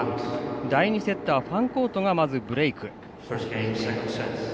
第２セットはファンコートがまずブレーク。